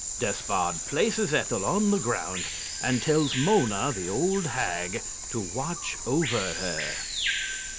Despard places Ethel on the ground and tells Mona, the old hag, to watch over her.